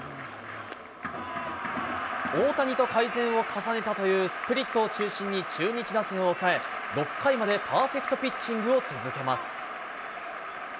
大谷と改善を重ねたというスプリットを中心に中日打線を抑え、６回までパーフェクトピッチングを続けます。